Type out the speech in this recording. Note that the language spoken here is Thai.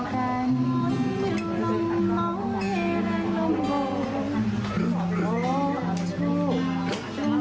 ถ้าไม่เคยรู้หรือก็เพราะเราไม่มีแค่ความสุขในช่วงสำคัญของเรา